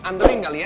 eh anterin kali ya